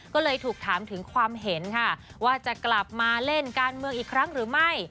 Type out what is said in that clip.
ก็เลยถูกถามถึงความเห็นค่ะว่าจะกลับมาเล่นการเมืองอีกครั้งหรือไม่